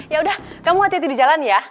ya udah kamu hati hati di jalan ya